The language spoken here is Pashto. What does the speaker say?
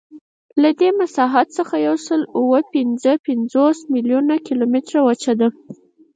له دې مساحت څخه یوسلاوهپینځهپنځوس میلیونه کیلومتره وچه ده.